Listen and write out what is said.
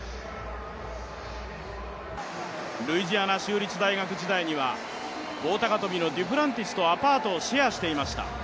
ルイジアナ州立大学時代には棒高跳のデュプランティスとアパートをシェアしていました。